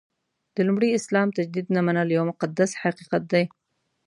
د لومړي اسلام تجدید نه منل یو مقدس حقیقت دی.